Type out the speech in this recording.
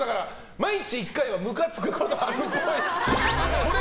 毎日１回はムカつくことあるっぽい。